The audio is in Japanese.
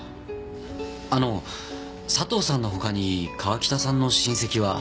あの佐藤さんの他に川喜多さんの親戚は？